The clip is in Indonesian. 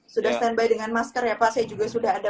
sudah standby dengan masker ya pak saya juga sudah ada